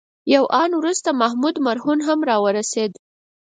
یو آن وروسته محمود مرهون هم راورسېد.